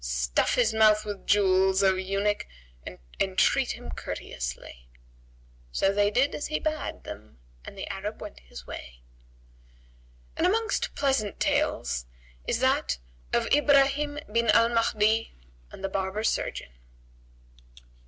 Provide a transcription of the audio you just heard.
Stuff his mouth with jewels,[FN#147] O eunuch and entreat him courteously;" so they did as he bade them and the Arab went his way. And amongst pleasant tales is that of IBRAHIM BIN AL MAHDI AND THE BARBER SURGEON.